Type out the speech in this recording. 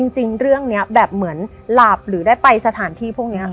จริงเรื่องนี้แบบเหมือนหลับหรือได้ไปสถานที่พวกนี้ค่ะ